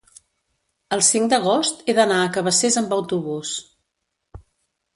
el cinc d'agost he d'anar a Cabacés amb autobús.